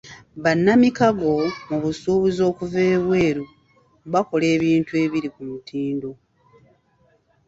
Bannamikago mu busuubuzi okuva ebweru bakola ebintu ebiri ku mutindo.